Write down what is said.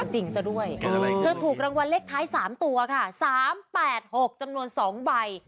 คือถูกรางวัลเลขท้าย๓ตัวค่ะ๓๘๖จำนวน๒ใบ